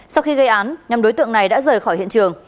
sau khi gây án nhóm đối tượng này đã rời khỏi hiện trường